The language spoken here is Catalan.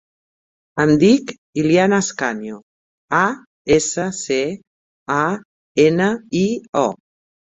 Em dic Ilyan Ascanio: a, essa, ce, a, ena, i, o.